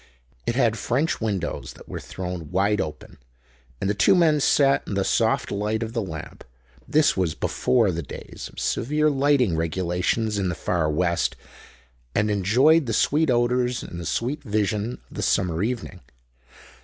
It had French windows that were thrown wide open, and the two men sat in the soft light of the lamp—this was before the days of severe lighting regulations in the Far West—and enjoyed the sweet odors and the sweet vision of the summer evening.